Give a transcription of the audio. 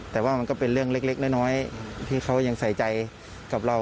แต่ว่ามันก็เป็นเรื่องเล็กน้อยที่เขายังใส่ใจกับเรา